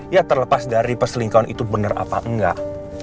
ya terlepas dari perselingkuhan itu bener apa enggak